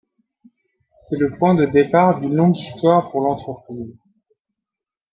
C'est le point de départ d'une longue histoire pour l'entreprise.